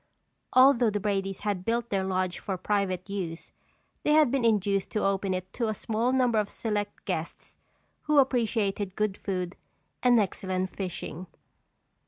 Although the Bradys had built their lodge for private use, they had been induced to open it to a small number of select guests who appreciated good food and excellent fishing.